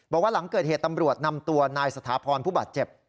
บอกว่าหลังเกิดเหตุตำรวจนำตัวนายสถาพรผู้บาดเจ็บ